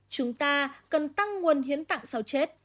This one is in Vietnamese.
chúng ta cần tăng nguồn hiến tạng sau chết